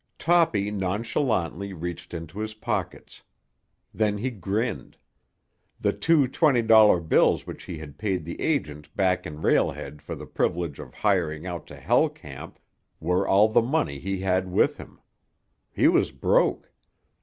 Toppy nonchalantly reached into his pockets. Then he grinned. The two twenty dollar bills which he had paid the agent back in Rail Head for the privilege of hiring out to Hell Camp were all the money he had with him. He was broke.